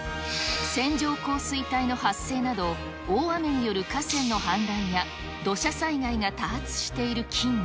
線状降水帯の発生など、大雨による河川の氾濫や、土砂災害が多発している近年、